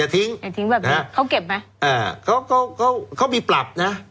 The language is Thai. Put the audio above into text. ทิ้งอย่าทิ้งแบบเนี้ยเขาเก็บไหมอ่าเขาเขามีปรับนะ